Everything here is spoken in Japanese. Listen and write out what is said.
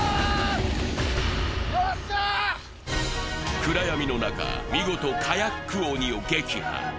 暗闇の中、見事、カヤック鬼を撃破。